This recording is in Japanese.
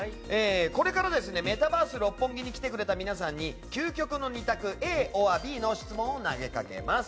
これからメタバース六本木に来てくれた皆さんに究極の２択、ＡｏｒＢの質問を投げかけます。